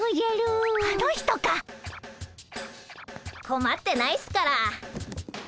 こまってないっすから。